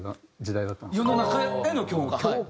世の中への共感？